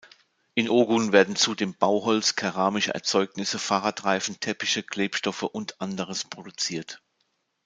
In Ogun werden zudem Bauholz, keramische Erzeugnisse, Fahrradreifen, Teppiche, Klebstoffe und anderes produziert.